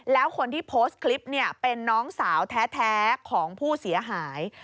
แล้วคนที่โพสต์คลิปเนี่ยเป็นน้องสาวแท้ของผู้เสียหาย